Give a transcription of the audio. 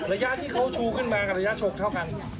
ระยะที่เขาชูขึ้นมากับระยะชงเท่ากัน